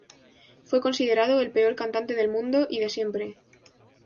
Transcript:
Fue considerado el peor cantante del mundo y de siempre.